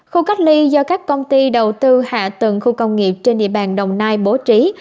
khu cách ly do các công ty đầu tư hạ tầng khu công nghiệp trên địa bàn đồng nai bố trí